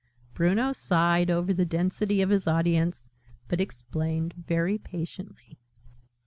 Bruno sighed over the density of his audience, but explained very patiently.